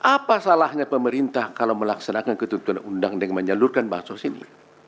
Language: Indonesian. pertanyaan saya adalah apa salahnya pemerintah kalau melaksanakan ketentuan undang dengan menyalurkan bantuan sosial ini